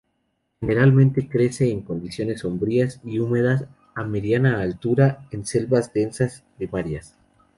Generalmente crece en condiciones sombrías y húmedas a mediana altura, en selvas densas primarias.